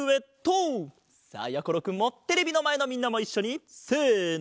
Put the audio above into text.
さあやころくんもテレビのまえのみんなもいっしょにせの！